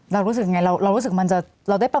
เรารู้สึกยังไงเรารู้สึกมันจะ